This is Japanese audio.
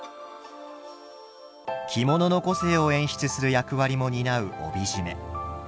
着物の個性を演出する役割も担う帯締め。